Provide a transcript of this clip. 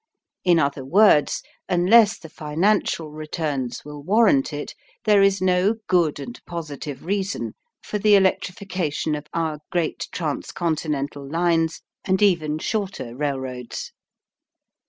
In other words, unless the financial returns will warrant it, there is no good and positive reason for the electrification of our great trans continental lines and even shorter railroads.